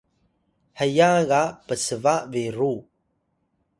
heya ga psba biru